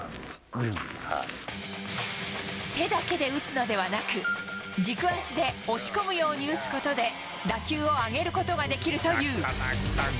手だけで打つのではなく、軸足で押し込むように打つことで、打球を上げることができるという。